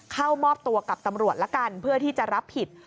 เข้ามอบตัวกับตำรวจละกันเพื่อที่จะรับผิด